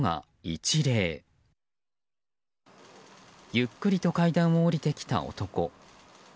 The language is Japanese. ゆっくりと階段を下りてきた男。